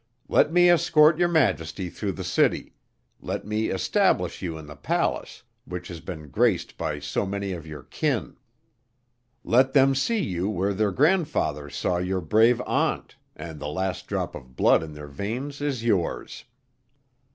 Let me escort your Majesty through the city; let me establish you in the palace which has been graced by so many of your kin; let them see you where their grandfathers saw your brave aunt, and the last drop of blood in their veins is yours."